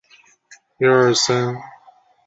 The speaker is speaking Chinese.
参与观察是一种研究策略。